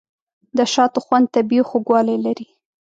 د شاتو خوند طبیعي خوږوالی لري.